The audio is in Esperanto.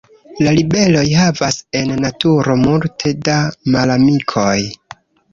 La libeloj havas en naturo multe da malamikoj.